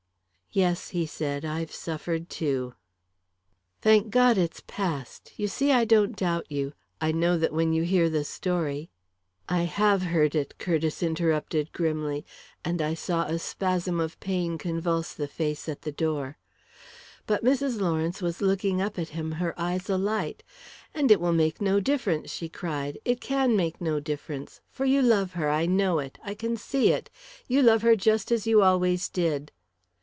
"Yes," he said. "I've suffered too." "Thank God it's past! You see, I don't doubt you. I know that when you hear the story " "I have heard it," Curtiss interrupted grimly, and I saw a spasm of pain convulse the face at the door. But Mrs. Lawrence was looking up at him, her eyes alight. "And it will make no difference!" she cried. "It can make no difference for you love her I know it I can see it you love her just as you always did!"